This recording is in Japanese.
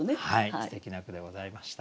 すてきな句でございました。